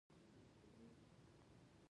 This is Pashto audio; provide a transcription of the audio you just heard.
په لاندې غره کې ښامار اوسیږي